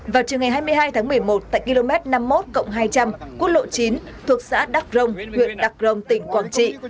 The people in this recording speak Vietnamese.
vào chiều ngày hai mươi hai tháng một mươi một tại km năm mươi một hai trăm linh quốc lộ chín thuộc xã đắc rông huyện đắc rông tỉnh quảng trị